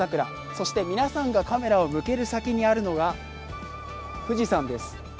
そして、皆さんがカメラを向ける先にあるのが富士山です。